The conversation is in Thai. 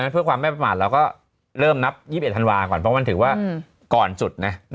เพื่อความไม่ประมาทเราก็เริ่มนับ๒๑ธันวาก่อนเพราะมันถือว่าก่อนจุดนะ